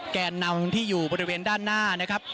แก่นำที่อยู่บริเวณด้านหน้านะครับ